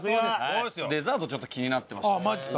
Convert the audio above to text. デザートちょっと気になってまして。